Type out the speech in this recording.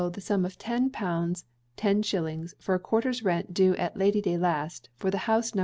the sum of ten pounds ten shillings, for a quarter's rent due at Lady day last, for the house, No.